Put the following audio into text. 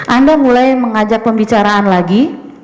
anda mulai mengajak pembicaraan lagi